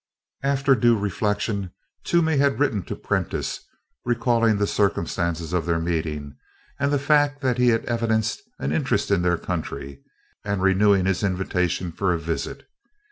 After due reflection, Toomey had written to Prentiss recalling the circumstances of their meeting and the fact that he had evidenced an interest in their country, and renewing his invitation for a visit.